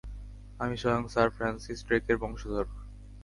আমরা স্বয়ং Sir Francis ড্রেকের বংশধর।